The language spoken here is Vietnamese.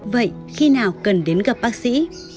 vậy khi nào cần đến gặp bác sĩ